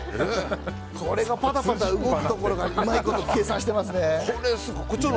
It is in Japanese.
これがパタパタ動くところがうまいこと計算してますね。